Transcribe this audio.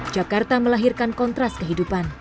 jakarta melahirkan kontras kehidupan